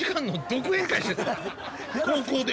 高校で？